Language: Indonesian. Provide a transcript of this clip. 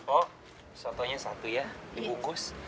oh sotonya satu ya dibungkus